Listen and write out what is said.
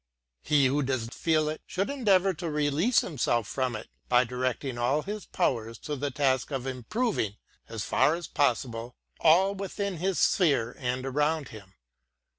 lie who does feel it, should en iir to release himself from it, by directing all his powers to the task of improving, as far as possible, all within his sphere and around him.